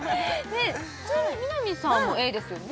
ちなみに南さんもＡですよね